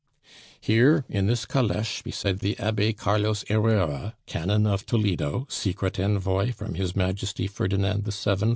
"Here, in this caleche beside the Abbe Carlos Herrera, canon of Toledo, secret envoy from His Majesty Ferdinand VII.